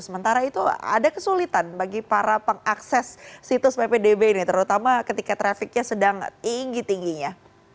sementara itu ada kesulitan bagi para pengakses situs ppdb ini terutama ketika trafficnya sedang tinggi tingginya